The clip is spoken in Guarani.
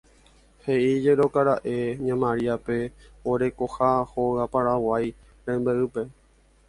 He'íjekoraka'e ña Mariápe oguerekoha hóga y Paraguái rembe'ýpe